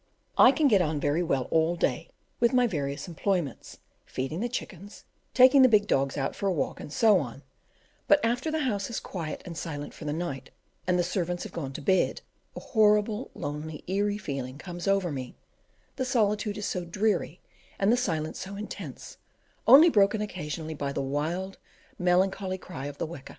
I can get on very well all day; with my various employments feeding the chickens, taking the big dogs out for a walk, and so on: but after the house is quiet and silent for the night, and the servants have gone to bed, a horrible lonely eerie feeling comes over me; the solitude is so dreary, and the silence so intense, only broken occasionally by the wild, melancholy cry of the weka.